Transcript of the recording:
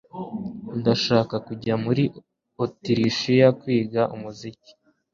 Ndashaka kujya muri Otirishiya kwiga umuziki